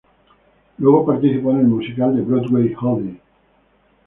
Luego participó en el musical de Broadway "Hold It!